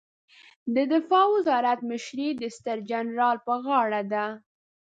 د دفاع وزارت مشري د ستر جنرال په غاړه ده